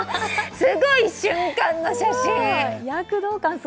すごい瞬間の写真！